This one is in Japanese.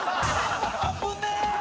危ねえ！